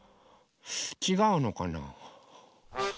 ちがうのかな。